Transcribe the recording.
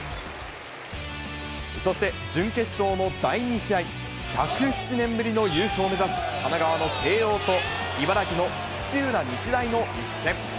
そして、準決勝の第２試合、１０７年ぶりの優勝を目指す神奈川の慶応と、茨城の土浦日大の一戦。